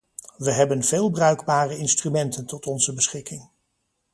We hebben veel bruikbare instrumenten tot onze beschikking.